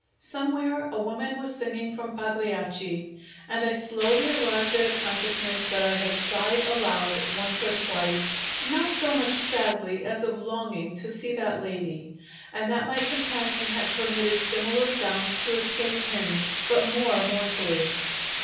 Somewhere a woman was singing from Pagliacci, and I slowly arrived at a consciousness that I had sighed aloud once or twice, not so much sadly, as of longing to see that lady, and that my companion had permitted similar sounds to escape him, but more mournfully.